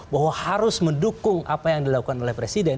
bahwa harus mendukung apa yang dilakukan oleh presiden